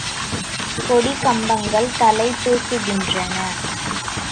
கொடிக்கம்பங்கள் தலை தூக்குகின்றன.